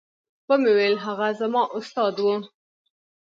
ومې ويل هغه زما استاد و.